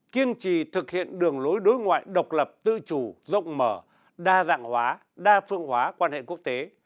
kiên trì thực hiện đường lối đối ngoại độc lập tự chủ rộng mở đa dạng hóa đa phương hóa quan hệ quốc tế